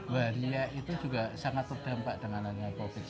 bahaya itu juga sangat terdampak dengan covid sembilan belas